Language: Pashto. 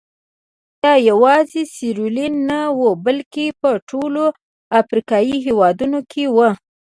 دا یوازې سیریلیون نه وو بلکې په ټولو افریقایي هېوادونو کې وو.